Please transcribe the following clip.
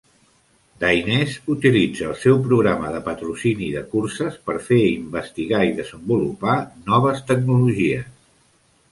Dainese utilitza el seu programa de patrocini de curses per fer investigar i desenvolupar noves tecnologies.